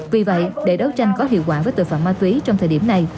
vì vậy để đấu tranh có hiệu quả với tội phạm ma túy trong thời điểm này